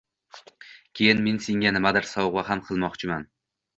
Keyin, men senga nimadir sovg‘a ham qilmoqchiman...